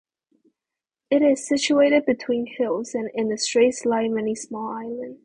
It is situated between hills, and in the straits lie many small islands.